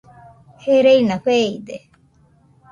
Gereina feide